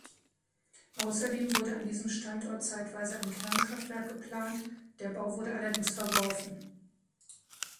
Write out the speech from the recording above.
Außerdem wurde an diesem Standort zeitweise ein Kernkraftwerk geplant, der Bau wurde allerdings verworfen.